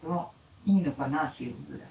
いいのかなあっていうぐらい。